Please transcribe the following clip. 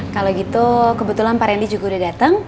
kalo gitu kebetulan pak rendy juga udah dateng